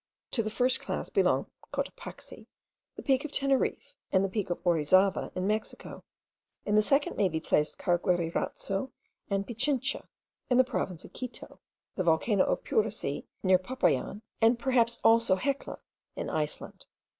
To the first class belong Cotopaxi, the peak of Teneriffe, and the peak of Orizava in Mexico. In the second may be placed Cargueirazo and Pichincha, in the province of Quito; the volcano of Puracey, near Popayan; and perhaps also Hecla, in Iceland.